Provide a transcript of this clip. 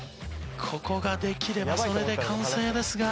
ここができればそれで完成ですが。